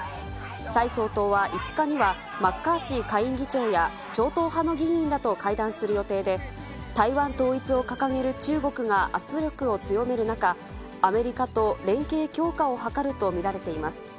蔡総統は５日には、マッカーシー下院議長や超党派の議員らと会談する予定で、台湾統一を掲げる中国が圧力を強める中、アメリカと連携強化を図ると見られています。